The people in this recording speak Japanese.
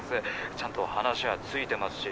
ちゃんと話はついてますし。